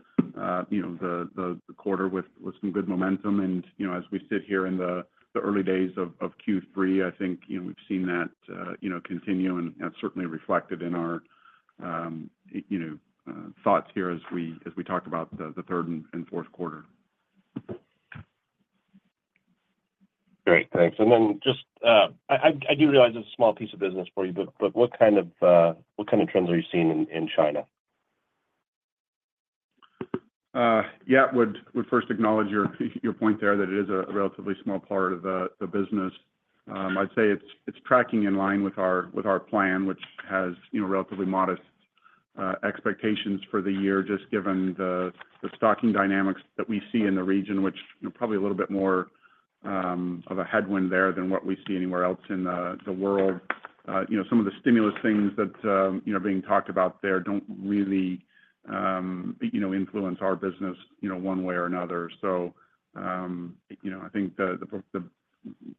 Speaker 3: quarter with some good momentum. And as we sit here in the early days of Q3, I think we've seen that continue, and that's certainly reflected in our thoughts here as we talk about the third and fourth quarter.
Speaker 13: Great. Thanks. And then just I do realize it's a small piece of business for you, but what kind of trends are you seeing in China?
Speaker 3: Yeah. I would first acknowledge your point there that it is a relatively small part of the business. I'd say it's tracking in line with our plan, which has relatively modest expectations for the year, just given the stocking dynamics that we see in the region, which are probably a little bit more of a headwind there than what we see anywhere else in the world. Some of the stimulus things that are being talked about there don't really influence our business one way or another. So I think the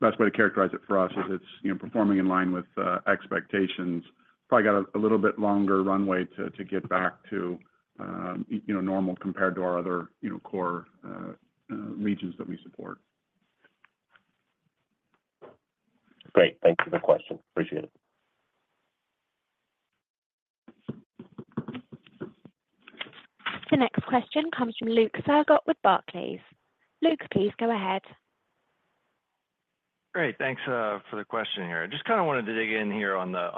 Speaker 3: best way to characterize it for us is it's performing in line with expectations. Probably got a little bit longer runway to get back to normal compared to our other core regions that we support.
Speaker 13: Great. Thanks for the question. Appreciate it.
Speaker 1: The next question comes from Luke Sergott with Barclays. Luke, please go ahead.
Speaker 14: Great. Thanks for the question here. I just kind of wanted to dig in here on the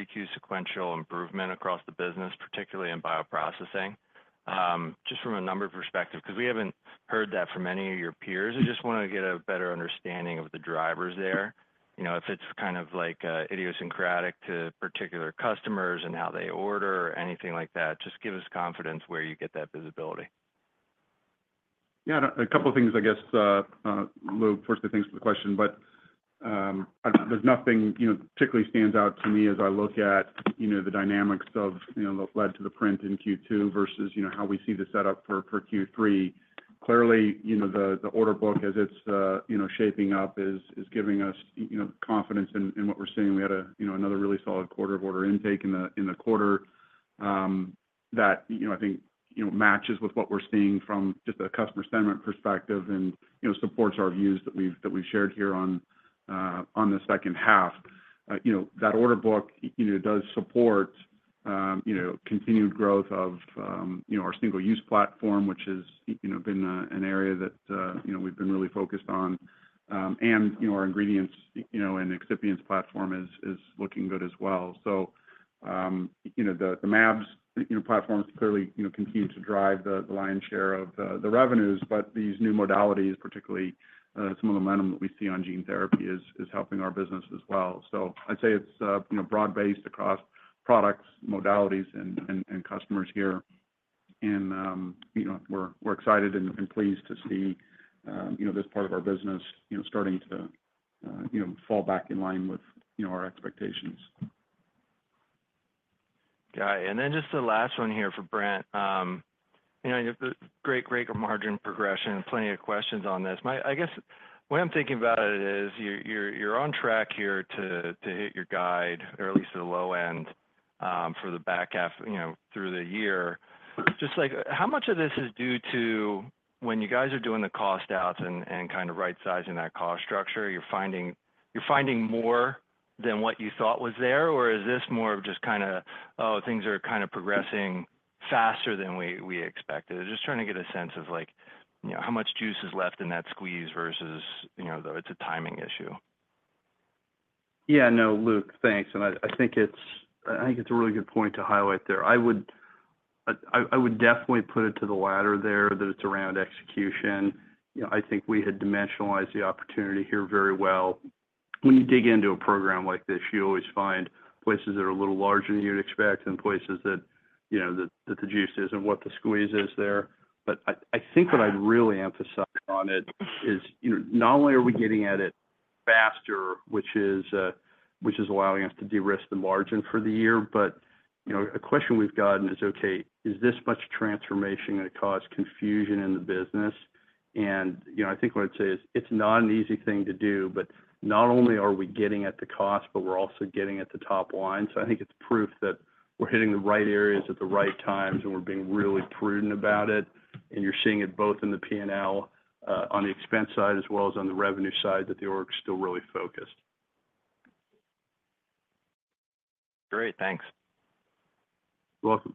Speaker 14: 3Q sequential improvement across the business, particularly in bioprocessing, just from a number of perspectives because we haven't heard that from any of your peers. I just want to get a better understanding of the drivers there. If it's kind of idiosyncratic to particular customers and how they order or anything like that, just give us confidence where you get that visibility.
Speaker 3: Yeah. A couple of things, I guess. Luke, of course, the things for the question, but there's nothing particularly stands out to me as I look at the dynamics that led to the print in Q2 versus how we see the setup for Q3. Clearly, the order book as it's shaping up is giving us confidence in what we're seeing. We had another really solid quarter of order intake in the quarter that I think matches with what we're seeing from just a customer sentiment perspective and supports our views that we've shared here on the second half. That order book does support continued growth of our single-use platform, which has been an area that we've been really focused on. And our ingredients and excipients platform is looking good as well. So the mAbs platforms clearly continue to drive the lion's share of the revenues, but these new modalities, particularly some of the momentum that we see on gene therapy, is helping our business as well. So I'd say it's broad-based across products, modalities, and customers here. And we're excited and pleased to see this part of our business starting to fall back in line with our expectations.
Speaker 14: Got it. And then just the last one here for Brent. You have a great margin progression and plenty of questions on this. I guess what I'm thinking about is you're on track here to hit your guide, or at least the low end for the back half through the year. Just how much of this is due to when you guys are doing the cost outs and kind of right-sizing that cost structure? You're finding more than what you thought was there, or is this more of just kind of, "Oh, things are kind of progressing faster than we expected"? Just trying to get a sense of how much juice is left in that squeeze versus it's a timing issue.
Speaker 4: Yeah. No, Luke, thanks. I think it's a really good point to highlight there. I would definitely put it to the ladder there that it's around execution. I think we had dimensionalized the opportunity here very well. When you dig into a program like this, you always find places that are a little larger than you'd expect and places that the juice is and what the squeeze is there. I think what I'd really emphasize on it is not only are we getting at it faster, which is allowing us to de-risk the margin for the year, but a question we've gotten is, "Okay, is this much transformation going to cause confusion in the business?" I think what I'd say is it's not an easy thing to do, but not only are we getting at the cost, but we're also getting at the top line. So I think it's proof that we're hitting the right areas at the right times, and we're being really prudent about it. And you're seeing it both in the P&L on the expense side as well as on the revenue side that the org is still really focused.
Speaker 14: Great. Thanks.
Speaker 4: You're welcome.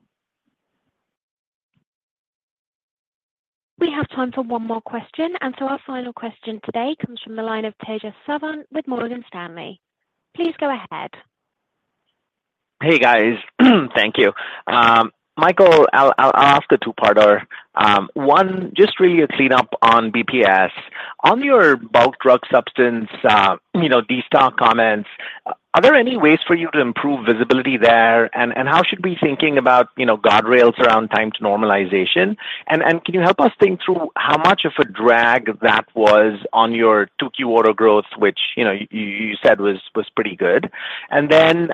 Speaker 1: We have time for one more question. And so our final question today comes from the line of Tejas Savant with Morgan Stanley. Please go ahead.
Speaker 15: Hey, guys. Thank you. Michael, I'll ask a two-parter. One, just really a cleanup on BPS. On your bulk drug substance destock comments, are there any ways for you to improve visibility there? And how should we be thinking about guardrails around time to normalization? And can you help us think through how much of a drag that was on your 2Q order growth, which you said was pretty good? And then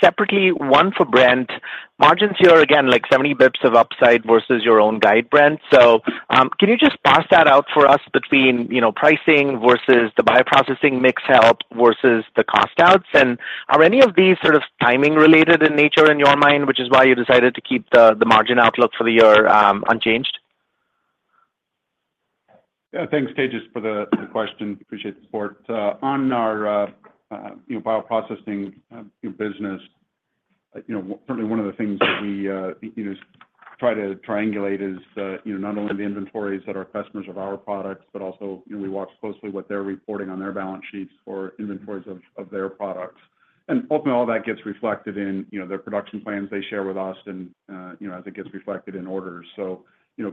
Speaker 15: separately, one for Brent, margins here are again like 70 basis points of upside versus your own guide, Brent. So can you just parse that out for us between pricing versus the bioprocessing mix help versus the cost outs? And are any of these sort of timing-related in nature in your mind, which is why you decided to keep the margin outlook for the year unchanged?
Speaker 3: Yeah. Thanks, Tejas, for the question. Appreciate the support. On our bioprocessing business, certainly one of the things that we try to triangulate is not only the inventories that our customers of our products, but also we watch closely what they're reporting on their balance sheets for inventories of their products. And ultimately, all that gets reflected in their production plans they share with us and as it gets reflected in orders. So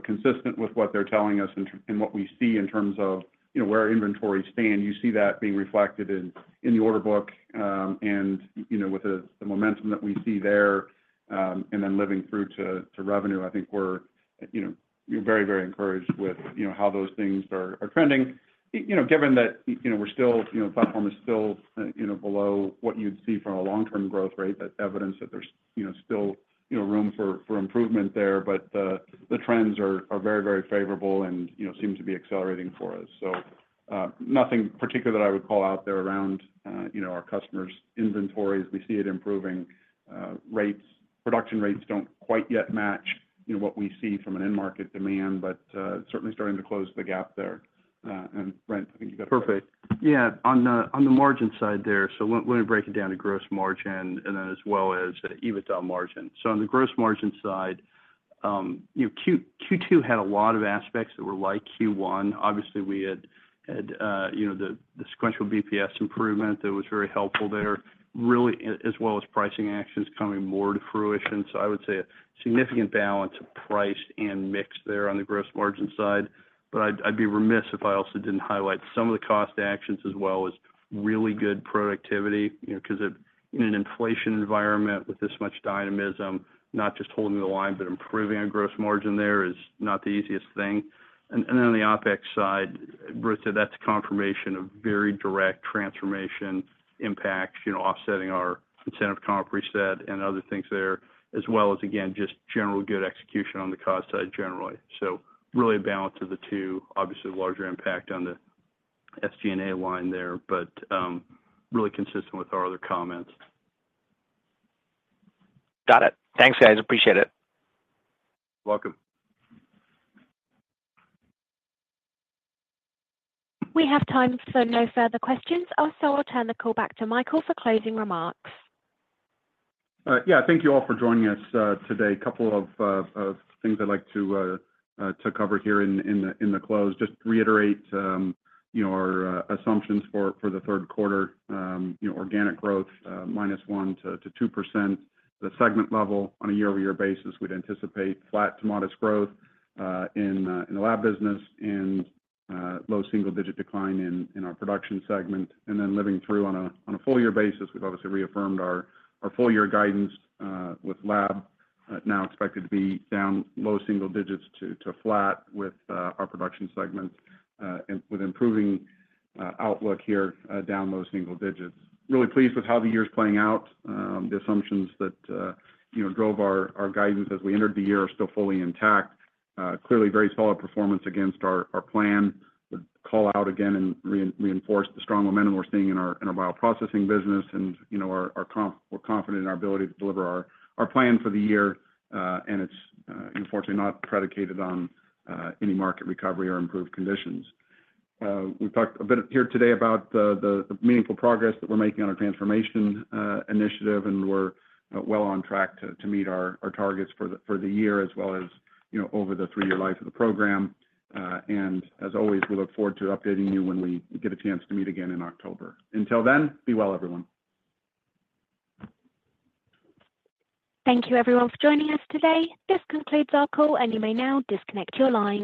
Speaker 3: consistent with what they're telling us and what we see in terms of where inventories stand, you see that being reflected in the order book and with the momentum that we see there. And then living through to revenue, I think we're very, very encouraged with how those things are trending. Given that we're still the platform is still below what you'd see for a long-term growth rate, that's evidence that there's still room for improvement there. But the trends are very, very favorable and seem to be accelerating for us. So nothing particular that I would call out there around our customers' inventories. We see it improving. Production rates don't quite yet match what we see from an end-market demand, but certainly starting to close the gap there. And Brent, I think you got it. Perfect.
Speaker 4: Yeah. On the margin side there, so let me break it down to gross margin and then as well as EBITDA margin. So on the gross margin side, Q2 had a lot of aspects that were like Q1. Obviously, we had the sequential BPS improvement that was very helpful there, really, as well as pricing actions coming more to fruition. So I would say a significant balance of price and mix there on the gross margin side. But I'd be remiss if I also didn't highlight some of the cost actions as well as really good productivity because in an inflation environment with this much dynamism, not just holding the line, but improving our gross margin there is not the easiest thing. And then on the OpEx side, I'd say that's a confirmation of very direct transformation impacts, offsetting our incentive comp reset and other things there, as well as, again, just general good execution on the cost side generally. So really a balance of the two, obviously a larger impact on the SG&A line there, but really consistent with our other comments.
Speaker 15: Got it. Thanks, guys. Appreciate it.
Speaker 3: You're welcome.
Speaker 1: We have time for no further questions, so I'll turn the call back to Michael for closing remarks.
Speaker 3: Yeah. Thank you all for joining us today. A couple of things I'd like to cover here in the close. Just reiterate our assumptions for the third quarter: organic growth -1% to 2%, the segment level on a year-over-year basis. We'd anticipate flat to modest growth in the lab business and low single-digit decline in our production segment. And then living through on a full-year basis, we've obviously reaffirmed our full-year guidance with lab, now expected to be down low single digits to flat with our production segment, with improving outlook here down low single digits. Really pleased with how the year's playing out. The assumptions that drove our guidance as we entered the year are still fully intact. Clearly, very solid performance against our plan. Call out again and reinforce the strong momentum we're seeing in our bioprocessing business. We're confident in our ability to deliver our plan for the year. It's unfortunately not predicated on any market recovery or improved conditions. We've talked a bit here today about the meaningful progress that we're making on our transformation initiative, and we're well on track to meet our targets for the year as well as over the three-year life of the program. As always, we look forward to updating you when we get a chance to meet again in October. Until then, be well, everyone.
Speaker 1: Thank you, everyone, for joining us today. This concludes our call, and you may now disconnect your line.